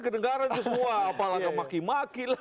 kedengaran itu semua apalagi maki maki lah